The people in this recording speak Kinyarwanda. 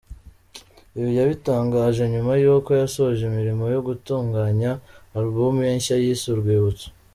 Ibi yabitangaje nyuma y’uko yasoje imirimo yo gutunganya Album ye nshya yise ‘Urwibutso‘.